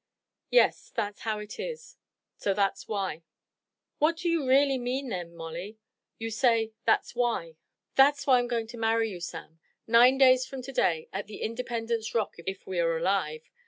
"Yes, that's how it is. So that's why." "What do you really mean then, Molly you say, that's why?" "That's why I'm going to marry you, Sam. Nine days from to day, at the Independence Rock, if we are alive.